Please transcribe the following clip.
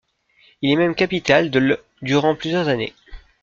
Il est même capitale de l' durant plusieurs années.